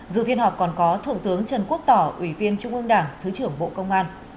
dự phiên họp còn có thượng tướng trần quốc tỏ ủy viên trung ương đảng thứ trưởng bộ công an